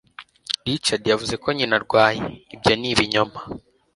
Richard yavuze ko nyina arwaye, ibyo ni ibinyoma.